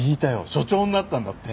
署長になったんだって？